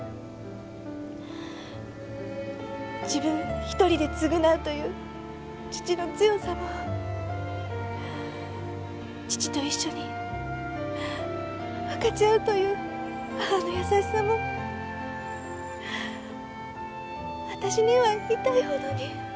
自分一人で償うという父の強さも父と一緒に分かち合うという母の優しさも私には痛いほどに。